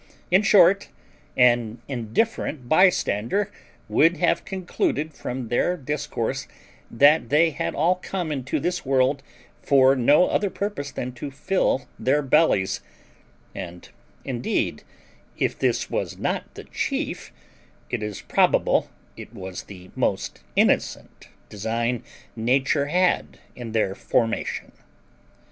In short, an indifferent by stander would have concluded from their discourse that they had all come into this world for no other purpose than to fill their bellies; and indeed, if this was not the chief, it is probable it was the most innocent design Nature had in their formation.